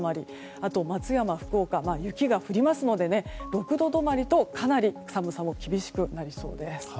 あと松山、福岡は雪が降りますので６度止まりと、かなり寒さも厳しくなりそうです。